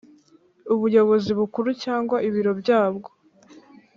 Ubuyobozi Bukuru cyangwa Ibiro byabwo